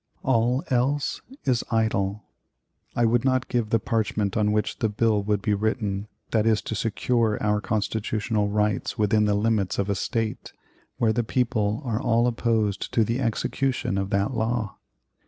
All else is idle. I would not give the parchment on which the bill would be written that is to secure our constitutional rights within the limits of a State, where the people are all opposed to the execution of that law.